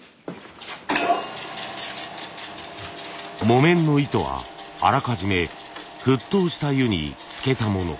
木綿の糸はあらかじめ沸騰した湯につけたもの。